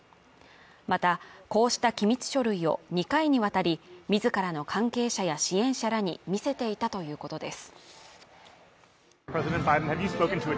またこうした機密書類を２回にわたり、自らの関係者や支援者らに見せていたということです。